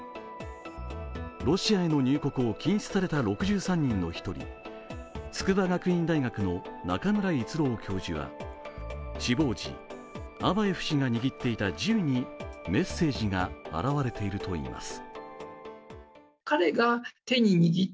ロシアへの入国を禁止された６３人の１人、筑波学院大学の中村逸郎教授は死亡時、アバエフ氏が握っていた銃にメッセージが表れているといいます。